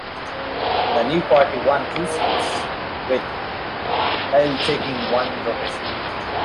The new party won two seats, with Pa'il taking one in rotation.